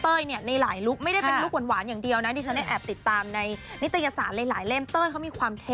เนี่ยในหลายลุคไม่ได้เป็นลุคหวานอย่างเดียวนะดิฉันได้แอบติดตามในนิตยสารหลายเล่มเต้ยเขามีความเท่